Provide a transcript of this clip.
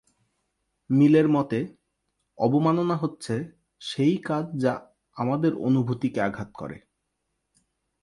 মিলের মতে, অবমাননা হচ্ছে, সেই কাজ যা "আমাদের অনুভূতিকে আঘাত করে"।